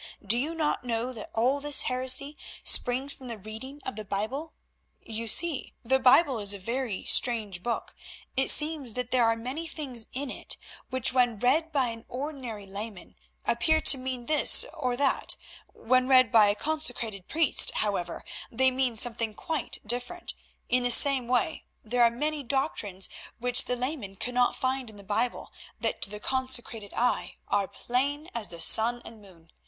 Do you not know that all this heresy springs from the reading of the Bible? You see, the Bible is a very strange book. It seems that there are many things in it which, when read by an ordinary layman, appear to mean this or that. When read by a consecrated priest, however, they mean something quite different. In the same way, there are many doctrines which the layman cannot find in the Bible that to the consecrated eye are plain as the sun and the moon.